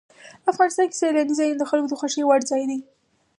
افغانستان کې سیلانی ځایونه د خلکو د خوښې وړ ځای دی.